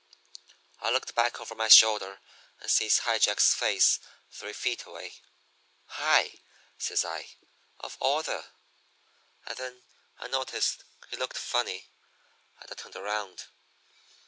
"I looked back over my shoulder, and sees High Jack's face three feet away. "'High,' says I, 'of all the ' "And then I noticed he looked funny, and I turned around.